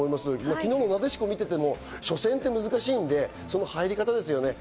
昨日のなでしこ見ていても初戦って難しいのでその入り方ですね。